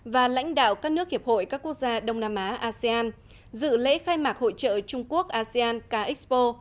và lãnh đạo các nước hiệp hội các quốc gia đông nam á asean dự lễ khai mạc hội trợ trung quốc asean ca expo